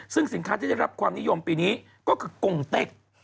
ซึ่งสินค้าที่ได้รับความนิยมปีนี้ก็คือกงเต็ก